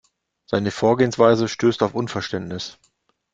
Seine Vorgehensweise stößt auf Unverständnis.